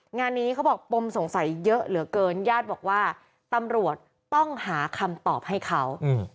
งานนี้เขาบอกปมสงสัยเยอะเหลือเกินญาติบอกว่าตำรวจต้องหาคำตอบให้เขา